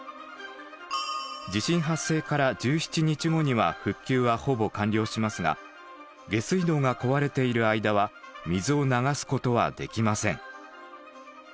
地震発生から１７日後には復旧はほぼ完了しますが下水道が壊れている間は水を流すことはできません。